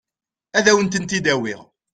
Ad wen-tent-id-awiɣ.